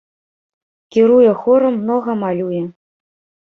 Кіруе хорам, многа малюе.